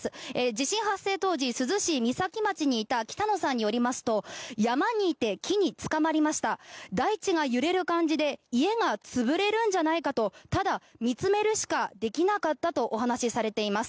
地震発生当時珠洲市三崎町にいたキタノさんによりますと山にいて、木につかまりました台地が揺れる感じで家が潰れるんじゃないかとただ見つめるしかできなかったとお話しされています。